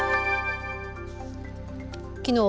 きのう